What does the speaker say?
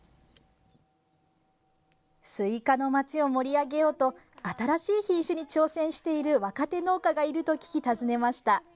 スイカの町を盛り上げようと新しい品種に挑戦している若手農家がいると聞き訪ねました。